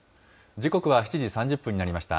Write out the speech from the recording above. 時刻は７時３０分になりました。